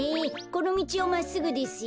このみちをまっすぐですよ。